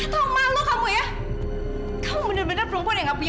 sampai jumpa di video selanjutnya